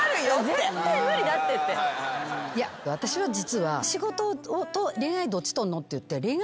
私は実は仕事と恋愛どっち取んの？って言って。